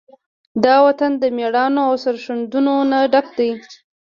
دا وطن د مېړانو، او سرښندنو نه ډک دی.